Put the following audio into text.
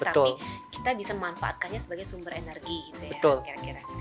tapi kita bisa memanfaatkannya sebagai sumber energi gitu ya kira kira